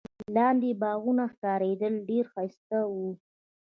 لاندي باغونه ښکارېدل، ډېر ښایسته وو.